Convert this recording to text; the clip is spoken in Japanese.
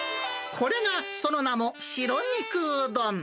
これが、その名も白肉うどん。